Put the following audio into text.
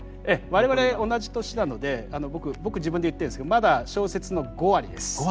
ええ我々同じ年なので僕自分で言ってるんですけどまだ小説の５割です。